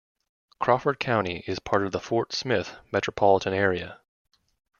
Crawford County is part of the Fort Smith metropolitan area.